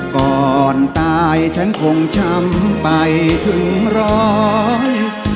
ก่อนตายฉันคงช้ำไปถึงร้อย